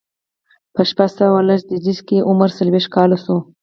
په شپږ سوه لس زيږديز کې یې عمر څلوېښت کاله شو.